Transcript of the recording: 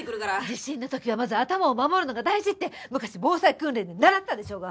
地震の時はまず頭を守るのが大事って昔防災訓練で習ったでしょうが！